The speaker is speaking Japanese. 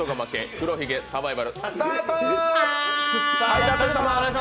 黒ひげサバイバルスタート！